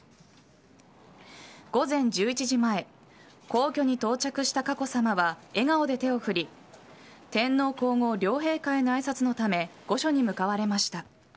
午前１１時前皇居に到着した佳子さまは笑顔で手を振り天皇皇后両陛下への挨拶のため御所に向かわれました。